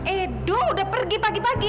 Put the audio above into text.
edu udah pergi pagi pagi